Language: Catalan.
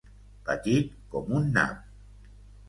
Petit com un nap.